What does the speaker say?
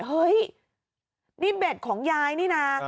เฮ้ยนี่เบ็ดของยายนี่นะ